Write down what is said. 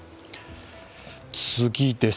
次です。